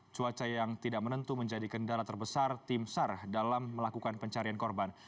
cuaca yang tidak menentu menjadi kendala terbesar tim sar dalam melakukan pencarian korban